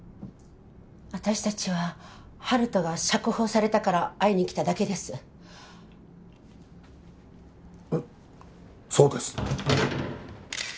私達は温人が釈放されたから会いに来ただけですそうです